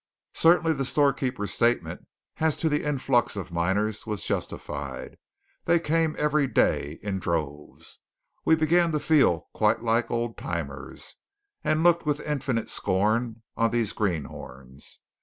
Certainly the storekeeper's statement as to the influx of miners was justified. They came every day, in droves. We began to feel quite like old timers, and looked with infinite scorn on these greenhorns.